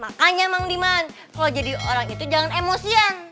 makanya bang diman kalau jadi orang itu jangan emosian